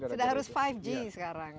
sudah harus lima g sekarang